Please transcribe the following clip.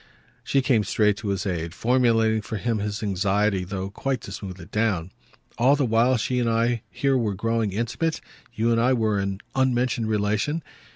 She came straight to his aid, formulating for him his anxiety, though quite to smooth it down. "All the while she and I here were growing intimate, you and I were in unmentioned relation?